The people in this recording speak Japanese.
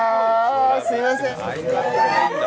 すいません。